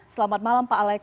selamat malam pak alex